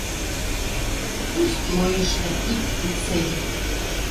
Пусть лоэштӹн иктӹ цель!